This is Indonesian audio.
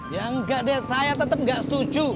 ya enggak deh saya tetap nggak setuju